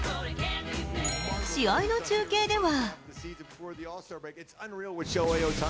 試合の中継では。